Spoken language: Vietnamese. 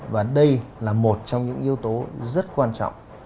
và đây là một trong những yếu tố rất quan trọng